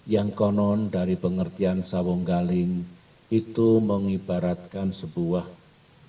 yang konon dari pengertian saung galing itu mengibaratkan sebuah burung